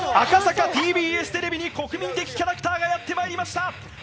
赤坂ＴＢＳテレビに国民的キャラクターがやってまいりました。